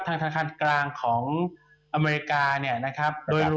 ทางธนาคารกลางของอเมริกาเนี่ยนะครับ